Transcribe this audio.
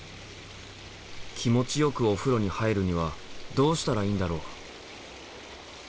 気持ちよくお風呂に入るにはどうしたらいいんだろう？